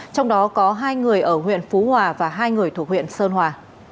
trong đó có hai người ở huyện phú hòa và hai người thuộc huyện sơn hòa